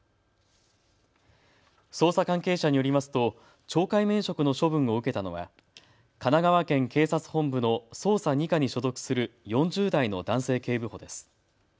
捜査関係者によりますと懲戒免職の処分を受けたのは神奈川県警察本部の捜査２課に所属する４０代の男性警部補です。